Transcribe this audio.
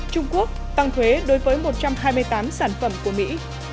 trung quốc tăng thuế đối với một trăm hai mươi tám sản phẩm của mỹ